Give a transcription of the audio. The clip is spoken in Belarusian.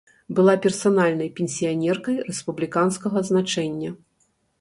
Была персанальнай пенсіянеркай рэспубліканскага значэння.